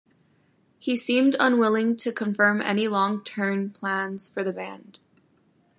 He seemed unwilling to confirm any long-term plans for the band.